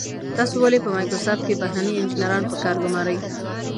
تاسو ولې په مایکروسافټ کې بهرني انجنیران په کار ګمارئ.